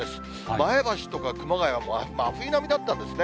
前橋とか熊谷、真冬並みだったんですね。